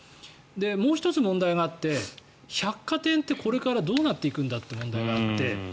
もう１つ問題があって百貨店ってこれからどうなっていくんだという問題があって。